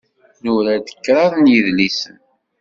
Nura-d kraḍ n yidlisen.